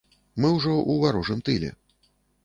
Мы ўжо ў варожым тыле.